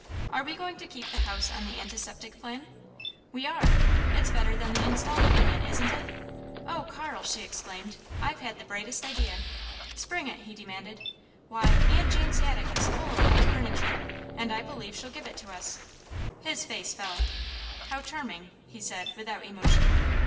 "Are we going to keep house on the antiseptic plan?" "We are it's better than the installment plan, isn't it? Oh, Carl!" she exclaimed, "I've had the brightest idea!" "Spring it!" he demanded. "Why, Aunt Jane's attic is full of old furniture, and I believe she'll give it to us!" His face fell. "How charming," he said, without emotion.